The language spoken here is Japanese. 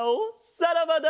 さらばだ！